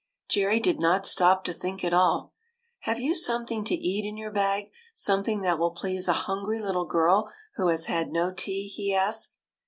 Jerry did not stop to think at all. " Have you something to eat in your bag, something that will please a hungry little girl who has had no tea ?" he asked.